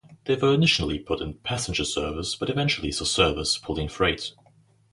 They were initially put in passenger service but eventually saw service pulling freight.